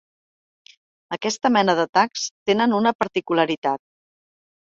Aquesta mena d’atacs tenen una particularitat.